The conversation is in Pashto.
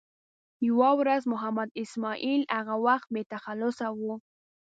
یوه ورځ محمد اسماعیل هغه وخت بې تخلصه و.